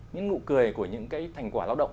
những nụ cười của những cái thành quả lao động